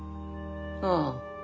ああ。